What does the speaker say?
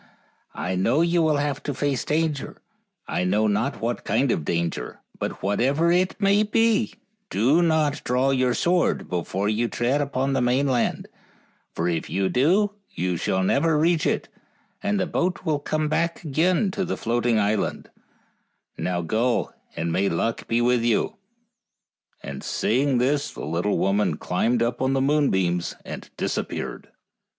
I know you will have to face danger. 1 know not what kind of danger ; but whatever it may be do not draw your sword before you tread upon the mainland, for if you do you shall never reach it, and the boat will come back again to the float ing island; and now go and may luck go with you ;" and saying this the little woman climbed up the moonbeams and disappeared.